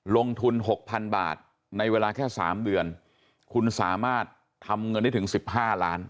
ลงทุน๖๐๐๐บาทในเวลาแค่๓เดือนคุณสามารถทำเงินได้ถึง๑๕ล้าน